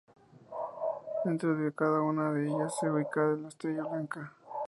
Dentro de cada uno de ellos se ubicaba una estrella blanca.